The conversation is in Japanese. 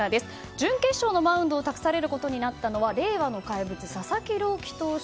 準決勝のマウンドを託されたことになったのは令和の怪物、佐々木朗希投手。